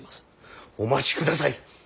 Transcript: お待ちください。